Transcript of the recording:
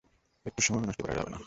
একটু সময়ও নষ্ট করা যাবে না।